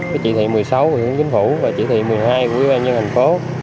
với chỉ thị một mươi sáu của chính phủ và chỉ thị một mươi hai của ubnd hành phố